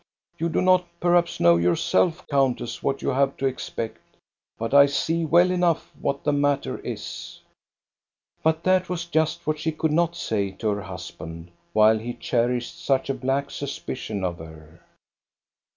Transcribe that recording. You do not perhaps know yourself, countess, what you have to expect; but I see well enough what the matter is." But that was just what she could not say to her hus band, while he cherished such a black suspicion of her.